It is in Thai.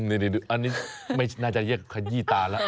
อันนี้น่าจะเรียกขยี้ตาละ